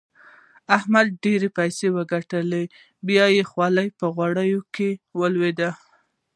احمد ډېرې پيسې وګټلې؛ بيا يې خولۍ په غوړو کې ولوېده.